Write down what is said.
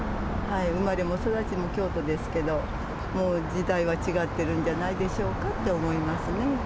生まれも育ちも京都ですけど、もう、時代は違ってるんじゃないでしょうかって思いますね。